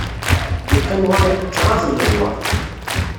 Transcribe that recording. Yeqqim ɣer-i kraḍ n ledwaṛ.